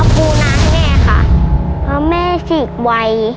อปูนาแน่ค่ะเพราะแม่ฉีกไว